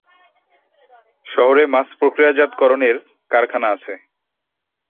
শহরে মাছ প্রক্রিয়াজাতকরণের কারখানা আছে।